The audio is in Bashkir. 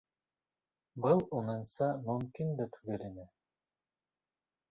Был уныңса мөмкин дә түгел ине.